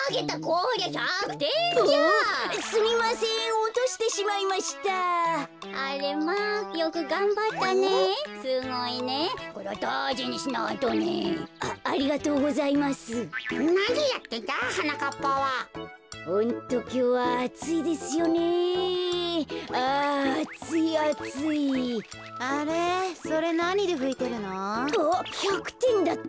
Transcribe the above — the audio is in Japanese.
あっ１００てんだった。